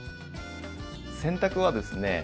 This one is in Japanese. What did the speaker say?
洗濯はですね